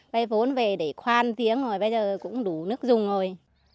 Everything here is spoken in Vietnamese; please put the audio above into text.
vay vốn về để khoan tiếng rồi bây giờ cũng đủ nước dùng rồi